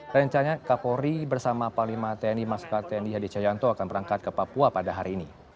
rencana kapolri bersama pak lima tni mas ktni hadi cajanto akan berangkat ke papua pada hari ini